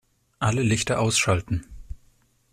Alle Lichter ausschalten